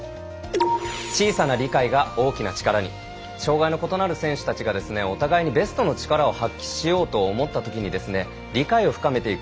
小さな理解が大きな力に障がいの異なる選手たちがお互いにベストの力を発揮しようと思っただけに理解を深めていく。